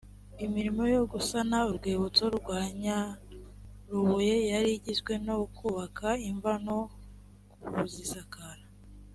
imirimo yo gusana urwibutso rwa nyarubuye yari igizwe no kubaka imva, no kuzisakara